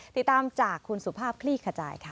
ติดตามจากคุณสุภาพคลี่ขจายค่ะ